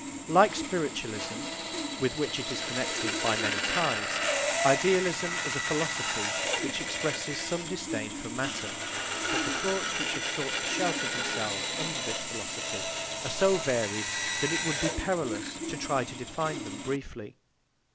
Like spiritualism, with which it is connected by many ties, idealism is a philosophy which expresses some disdain for matter, but the thoughts which have sought to shelter themselves under this philosophy are so varied that it would be perilous to try to define them briefly.